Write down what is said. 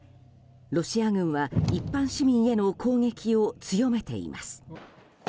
ロシア軍は一般市民への攻撃を強めています。